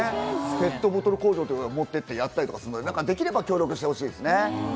ペットボトル工場に持って行ってやったりするので、できれば協力してほしいですね。